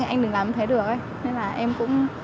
anh đừng làm thế được nên là em cũng